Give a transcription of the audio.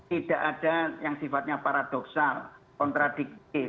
tidak ada yang sifatnya paradoksal kontradiktif